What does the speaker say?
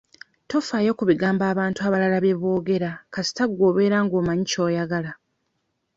Tofaayo ku bigambo abantu abalala bye boogera kasita gwe obeera ng'omanyi ky'oyagala.